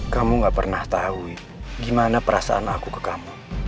kamu gak pernah tahu gimana perasaan aku ke kamu